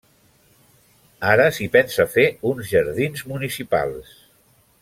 Ara s'hi pensa fer uns jardins municipals.